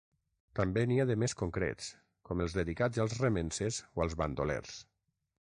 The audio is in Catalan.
També n'hi ha de més concrets, com els dedicats als remences o als bandolers.